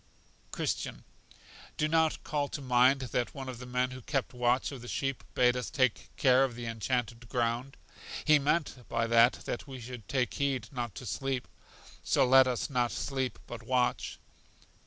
Christian. Do you not call to mind that one of the men who kept watch of the sheep bade us take care of The Enchanted Ground? He meant by that that we should take heed not to sleep; so let us not sleep, but watch.